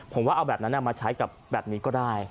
ผมว่าเอาแบบนั้นมาใช้กับแบบนี้ก็ได้